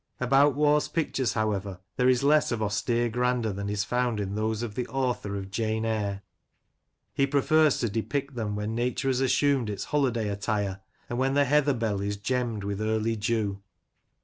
About Waugh's pictures, however, there is less of austere grandeur, than is found in those of the author of "Jane 40 Lancashire Characters and Places, Eyre." He prefers rather to depict them when nature has assumed its holiday attire, and when the heather bell is gemm'd with early dew.